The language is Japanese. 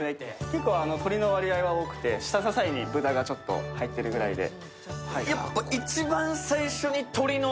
結構、鶏の割合が多くて下支えにちょっと豚が入ってるくらいで。